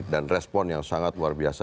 dan respon yang sangat luar biasa